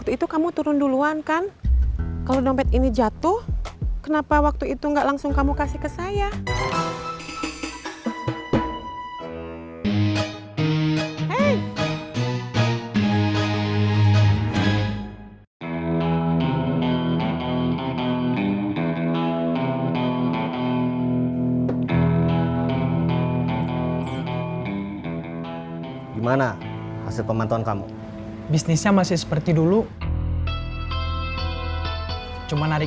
fir penumpang dapur fir jalan fir